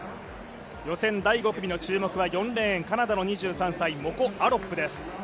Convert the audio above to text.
予選第５組の注目はカナダの２３歳モコ・アロップです。